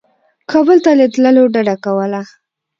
کابل ته له تللو ډده کوله.